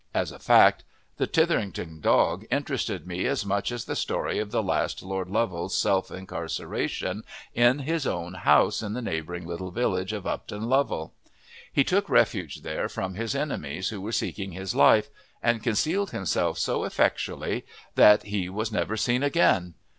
As a fact, the Tytherington dog interested me as much as the story of the last Lord Lovell's self incarceration in his own house in the neighbouring little village of Upton Lovell. He took refuge there from his enemies who were seeking his life, and concealed himself so effectually that he was never seen again.